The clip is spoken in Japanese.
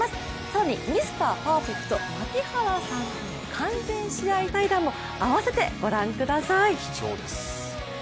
更に、ミスターパーフェクト槙原さんとの完全試合対談も併せて御覧ください。